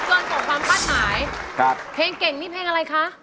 การพูดกันของความความพัฒนาให้ครับเพลงเก่งนี่แพงเอะไรคะ